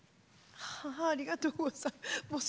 ありがとうございます。